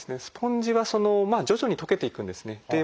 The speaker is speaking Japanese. スポンジは徐々に溶けていくんですね。